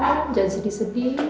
serahkan jangan sedih sedih